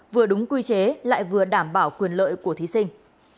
vừa đúng quy chế lại vừa đảm bảo quyền lợi của thí sinh